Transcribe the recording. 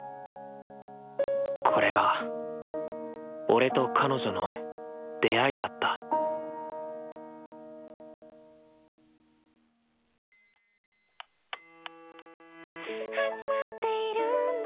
これが俺と彼女の出会いだった「始まっているんだ